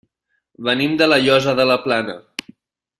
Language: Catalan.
Venim de La Llosa de la Plana.